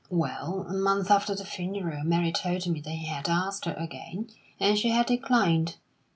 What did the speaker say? Well, a month after the funeral, Mary told me that he had asked her again, and she had declined.